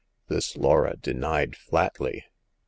This Laura denied flatly.